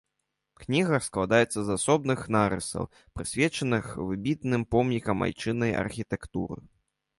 Кніга складаецца з асобных нарысаў, прысвечаных выбітным помнікам айчыннай архітэктуры.